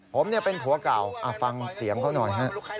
ผมเป็นผัวเก่าฟังเสียงเขาหน่อยฮะ